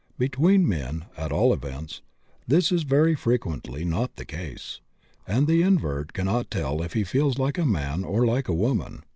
Between men, at all events, this is very frequently not the case, and the invert cannot tell if he feels like a man or like a woman.